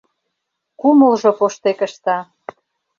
Кумылжо поштек ышта...